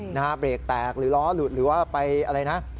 เบรกแตกหรือล้อหลุดหรือว่าไปอะไรนะ